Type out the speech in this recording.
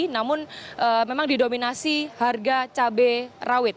namun memang didominasi harga cabai rawit